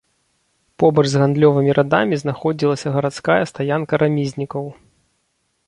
Побач з гандлёвымі радамі знаходзілася гарадская стаянка рамізнікаў.